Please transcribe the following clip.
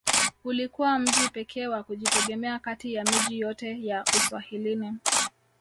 Ulikuwa mji pekee wa kujitegemea kati ya miji yote ya Uswahilini